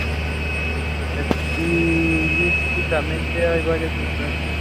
Estilísticamente, hay varias influencias.